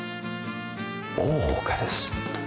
大岡です。